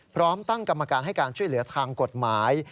พร้อมตั้งกรรมการให้การช่วยเหลือทางกฎหมาย